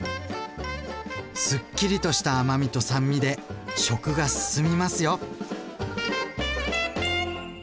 すっきりとした甘みと酸味で食が進みますよ。